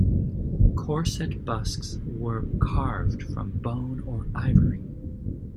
Corset busks were carved from bone or ivory.